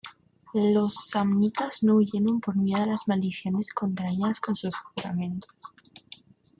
Los samnitas no huyeron por miedo a las maldiciones contraídas con sus juramentos.